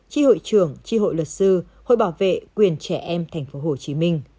hội trưởng chi hội luật sư hội bảo vệ quyền trẻ em tp hcm